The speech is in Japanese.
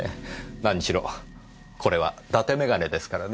何しろこれは伊達眼鏡ですからね。